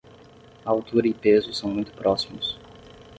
Altura e peso são muito próximos